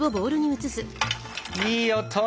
いい音。